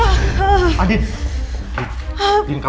ya memang ini pinjaman besarnya